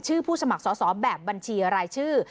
ผู้สมัครสอบแบบบัญชีรายชื่อ